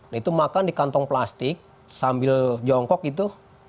nah itu makan di kantong plastik sambil jongkok itu